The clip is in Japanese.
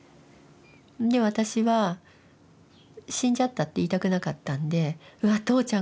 で私は「死んじゃった」って言いたくなかったんで「うわ父ちゃんが大変。